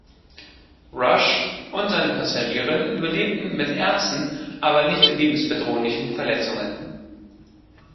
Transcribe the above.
Roush und seine Passagierin überlebten mit ernsten aber nicht lebensbedrohlichen Verletzungen.